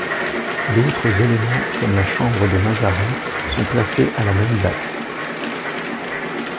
D'autres éléments, comme la chambre de Mazarin, sont classés à la même date.